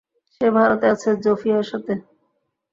সে ভারতে আছে, জোফিয়ার সাথে।